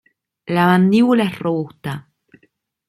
La mandíbula es robusta.